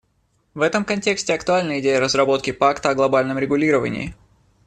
В этом контексте актуальна идея разработки пакта о глобальном регулировании.